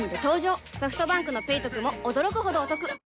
ソフトバンクの「ペイトク」も驚くほどおトク